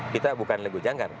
kita bukan legu janggar